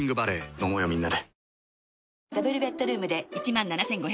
飲もうよみんなで。